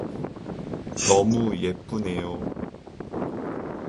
너무 예쁘네요.